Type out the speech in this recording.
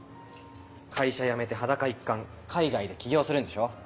会社辞めて裸一貫海外で起業するんでしょ？